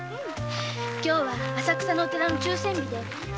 今日浅草のお寺の抽選日で。